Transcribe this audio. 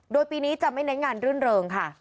โดยปีนี้จะไม่เน้นงานรื่นเริงค่ะ